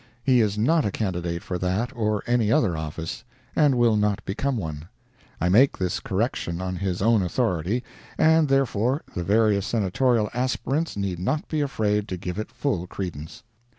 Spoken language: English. He is not a candidate for that or any other office, and will not become one. I make this correction on his own authority, and, therefore, the various Senatorial aspirants need not be afraid to give it full credence.